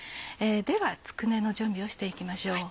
ではつくねの準備をして行きましょう。